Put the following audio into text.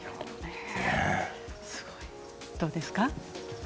どうですか？